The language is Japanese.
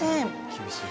厳しい。